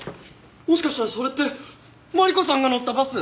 もしかしたらそれってマリコさんが乗ったバス！